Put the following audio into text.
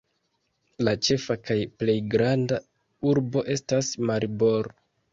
La ĉefa kaj plej granda urbo estas Maribor.